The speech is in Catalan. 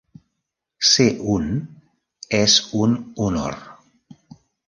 Ser un és un honor.